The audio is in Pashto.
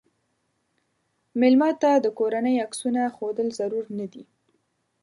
مېلمه ته د کورنۍ عکسونه ښودل ضرور نه دي.